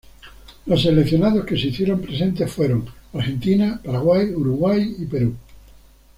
Los seleccionados que se hicieron presentes fueron: Argentina, Paraguay, Uruguay y Perú.